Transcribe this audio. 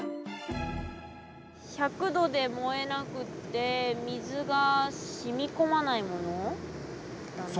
１００度で燃えなくって水が染み込まないものだね。